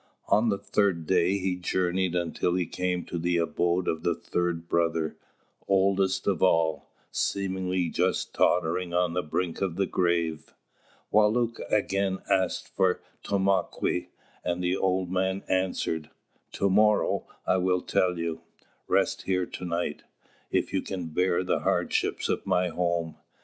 On the third day he journeyed until he came to the abode of the third brother, oldest of all, seemingly just tottering on the brink of the grave. Wālūt again asked for Tomāquè, and the old man answered: "To morrow, I will tell you. Rest here to night, if you can bear the hardships of my home."